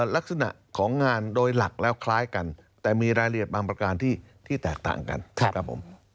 ลักษณะของงานโดยหลักแล้วคล้ายกันแต่มีรายละเอียดบางประการที่แตกต่างกันนะครับผม